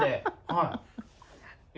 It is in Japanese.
はい。